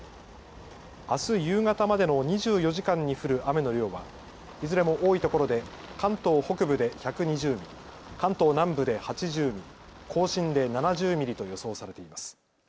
あす夕方までの２４時間に降る雨の量はいずれも多いところで関東北部で１２０ミリ、関東南部で８０ミリ、甲信で７０ミリと予想されています。